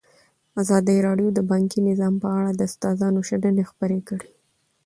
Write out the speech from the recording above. ازادي راډیو د بانکي نظام په اړه د استادانو شننې خپرې کړي.